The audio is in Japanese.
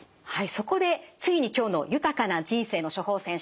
そこでついに今日の「豊かな人生の処方せん」